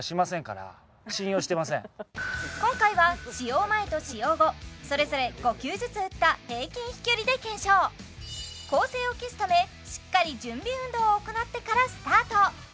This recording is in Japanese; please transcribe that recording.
今回は使用前と使用後それぞれ５球ずつ打った平均飛距離で検証公正を期すためしっかり準備運動を行ってからスタート